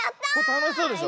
たのしそうでしょ。